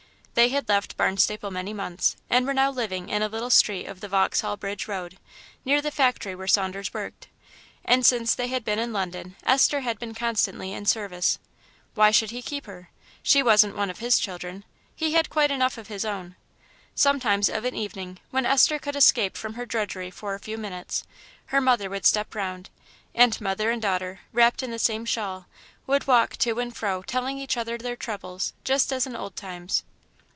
They had left Barnstaple many months, and were now living in a little street off the Vauxhall Bridge Road, near the factory where Saunders worked; and since they had been in London Esther had been constantly in service. Why should he keep her? She wasn't one of his children, he had quite enough of his own. Sometimes of an evening, when Esther could escape from her drudgery for a few minutes, her mother would step round, and mother and daughter, wrapped in the same shawl, would walk to and fro telling each other their troubles, just as in old times.